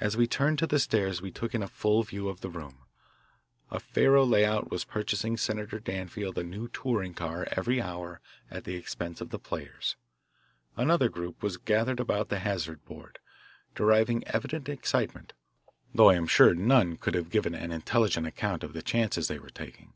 As we turned to the stairs we took in a full view of the room. A faro layout was purchasing Senator Danfield a new touring car every hour at the expense of the players. Another group was gathered about the hazard board, deriving evident excitement, though I am sure none could have given an intelligent account of the chances they were taking.